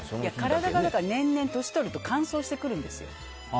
体が年々、年を取ると乾燥してくるんですよ。